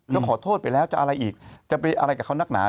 ก็ขอโทษไปแล้วจะอะไรอีกจะไปอะไรกับเขานักหนา